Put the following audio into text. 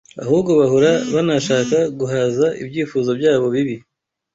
ahubwo bahora banashaka guhaza ibyifuzo byabo bibi,